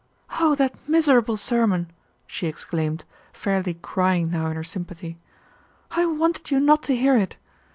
"Oh that miserable sermon!" she exclaimed, fairly crying now in her sympathy, "I wanted you not to hear it.